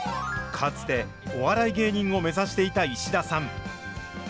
かつてお笑い芸人を目指していた石田さん。